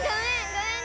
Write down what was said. ごめん！